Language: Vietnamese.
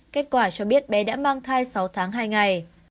kết quả cho biết bé đã mang thai sáu tháng hai ngày